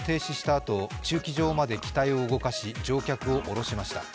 あと駐機場まで機体を動かし乗客を降ろしました。